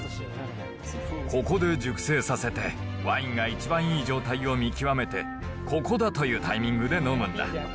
ここで熟成させて、ワインが一番いい状態を見極めて、ここだというタイミングで飲むんだ。